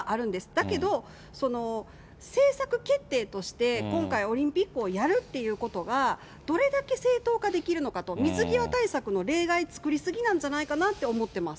だけど、政策決定として、今回、オリンピックをやるっていうことが、どれだけ正当化できるのかと、水際対策の例外作り過ぎなんじゃないかなって思ってます。